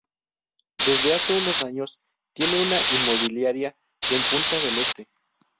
Desde hace unos años tiene una inmobiliaria en Punta del Este.